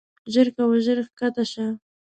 ژر کوه ژر کښته شه.